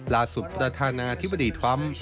ลาสุทธนาธิบดีทวม